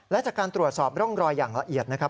และจากการตรวจสอบร่องรอยอย่างละเอียดนะครับ